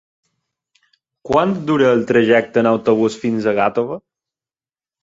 Quant dura el trajecte en autobús fins a Gàtova?